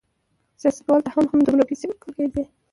سیاستوالو ته هم همدومره پیسې ورکول کېدې.